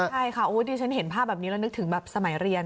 ใช่ค่ะดิฉันเห็นภาพแบบนี้แล้วนึกถึงแบบสมัยเรียน